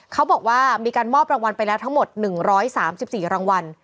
เขาบอกว่ามีการมอบรางวัลไปแล้วทั้งหมด๑๓๔รางวัล